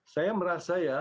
saya merasa ya